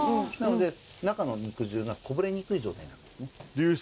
なので中の肉汁がこぼれにくい状態になる。